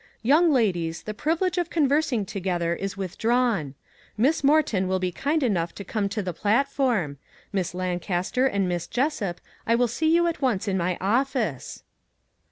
" Young ladies, the privilege of conversing together is withdrawn. Miss More ton will be kind enough to come to the plat form. Miss Lancaster and Miss Jessup, I will see you at once in my office."